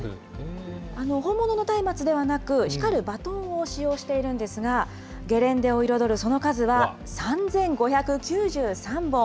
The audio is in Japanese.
本物のたいまつではなく、光るバトンを使用しているんですが、ゲレンデを彩るその数は、３５９３本。